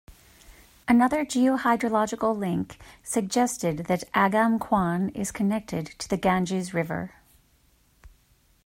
Another geo-hydrological link suggested that Agam Kuan is connected to the Ganges river.